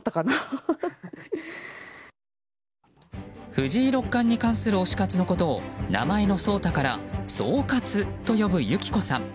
藤井六冠に関する推し活のことを名前の聡太から聡活と呼んでいる、ゆきこさん。